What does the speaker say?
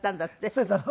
そうですね。